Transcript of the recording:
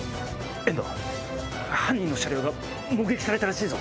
遠藤犯人の車両が目撃されたらしいぞ。